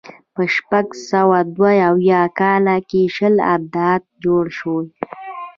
په شپږ سوه دوه اویا کال کې شل ابدات جوړ شوي.